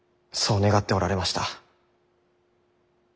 そう願っておられました。